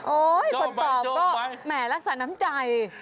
คนตอบก็แหมรักษาน้ำใจ